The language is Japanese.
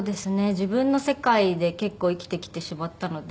自分の世界で結構生きてきてしまったので。